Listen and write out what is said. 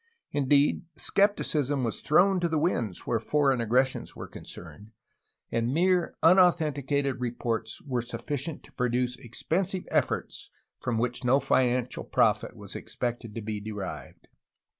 Indeed, scepticism was thrown to the winds where foreign aggressions were concerned, and mere unauthenticated re ports were sufficient to produce expensive efforts from which no financial profit was expected to be derived.